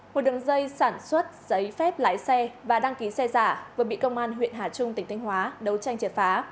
một đường dây sản xuất giấy phép lái xe và đăng ký xe giả vừa bị công an huyện hà trung tỉnh thanh hóa đấu tranh triệt phá